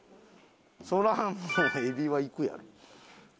そらもうエビはいくやろ。